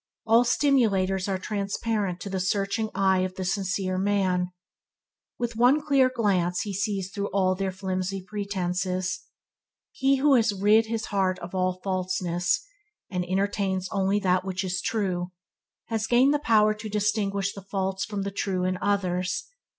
All simulators are transparent to the searching eye of the sincere man. With one clear glance he sees through all their flimsy pretences. Tricksters with under his strong gaze, and want to get away from it. He who has rid his heart of all falseness, and entertains only that which is true, has gained the power to distinguish the false from the true in others.